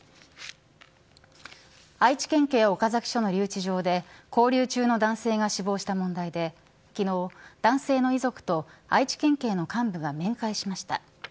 愛知県警岡崎市の留置場で勾留中の男性が死亡した問題で昨日男性の遺族と愛知県警の幹部が面会しました。